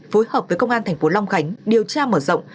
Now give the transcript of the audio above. phối hợp với công an tp hcm điều tra mở rộng